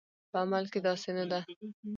په عمل کې داسې نه ده